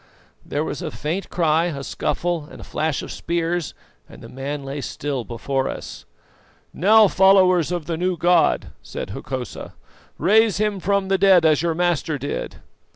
"There was a faint cry, a scuffle, a flashing of spears, and the man lay still before us. "'Now, followers of the new God,' said Hokosa, 'raise him from the dead as your Master did!